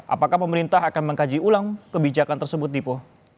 apakah pemerintah akan mengkaji ulang kebijakan tersebut dipo